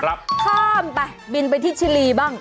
ข้ามไปบินไปที่ชิลีบ้าง